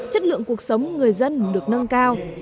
chất lượng cuộc sống người dân được nâng cao